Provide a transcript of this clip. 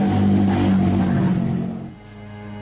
saya sangat bersyukur